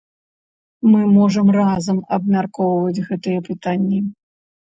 Мы можам разам абмяркоўваць гэтыя пытанні.